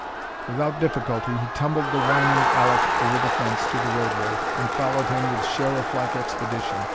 Without difficulty he tumbled the whining Alek over the fence to the roadway, and followed him with sheriff like expedition!